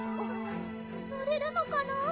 乗れるのかな？